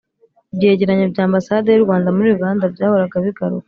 ibyegeranyo bya ambasade y'u rwanda muri uganda byahoraga bigaruka